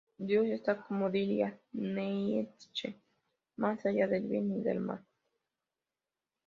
Dios está, como diría Nietzsche, más allá del bien y del mal.